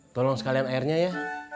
tolong sekalian airnya ya